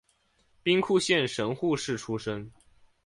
兵库县神户市出身。